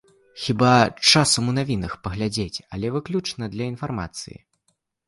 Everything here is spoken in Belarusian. Хіба, часам у навінах паглядзіць, але выключна для інфармацыі.